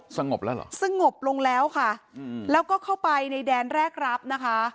สงบแล้วเหรอสงบลงแล้วค่ะอืมแล้วก็เข้าไปในแดนแรกรับนะคะ